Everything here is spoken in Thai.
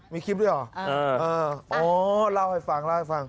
มีคลิปด้วยหรออ๋อเล่าให้ฟัง